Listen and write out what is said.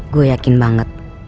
gue yakin banget